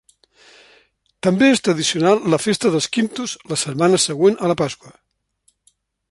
També és tradicional la festa dels Quintos la setmana següent a la Pasqua.